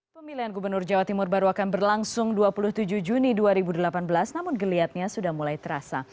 pemilihan gubernur jawa timur baru akan berlangsung dua puluh tujuh juni dua ribu delapan belas namun geliatnya sudah mulai terasa